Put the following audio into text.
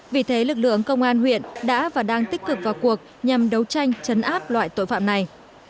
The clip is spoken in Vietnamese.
vì thế lực lượng công an huyện đã và đang tích cực vào cuộc nhằm đấu tranh chấn áp loại tội phạm này